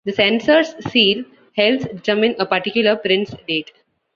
The censors' seal helps determine a particular print's date.